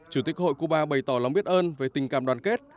chủ tịch hội cuba bày tỏ lòng biết ơn về tình cảm đoàn kết